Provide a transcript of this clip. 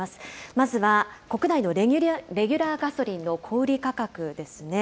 まずは国内のレギュラーガソリンの小売り価格ですね。